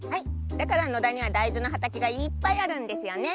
だからのだにはだいずのはたけがいっぱいあるんですよね。